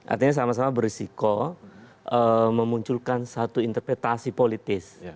artinya sama sama berisiko memunculkan satu interpretasi politis